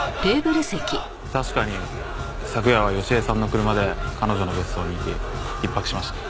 確かに昨夜は好江さんの車で彼女の別荘に行き一泊しました。